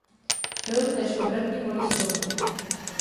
Film též obratně volí slova.